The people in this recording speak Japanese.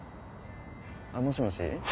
もしもし。